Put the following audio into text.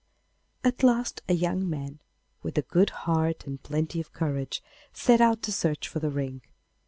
] At last a young man, with a good heart and plenty of courage, set out to search for the ring.